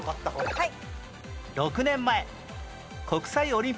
はい。